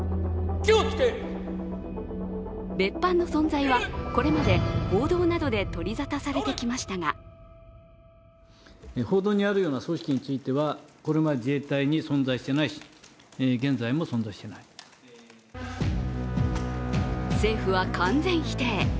別班の存在はこれまで報道などで取り沙汰されてきましたが政府は完全否定。